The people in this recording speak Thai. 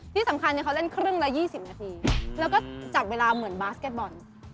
ที่สำคัญเขาเล่นครึ่งละ๒๐นาทีแล้วก็จับเวลาเหมือนบาสเก็ตบอล